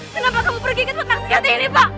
kenapa kamu pergi ke tempat raksasa hati ini pak